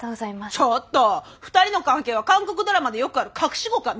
ちょっと２人の関係は韓国ドラマでよくある隠し子か何か？